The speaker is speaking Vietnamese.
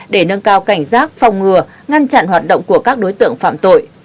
để nâng cao cảnh giác phòng ngừa ngăn chặn hoạt động của các đối tượng phạm tội